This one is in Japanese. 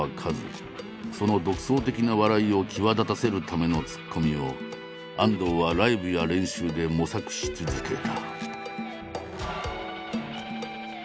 その独創的な笑いを際立たせるためのツッコミを安藤はライブや練習で模索し続けた。